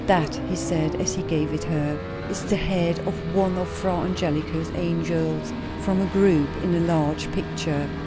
"That," he said as he gave it her, "is the head of one of Fra Angelico's angels, from a group in a large picture.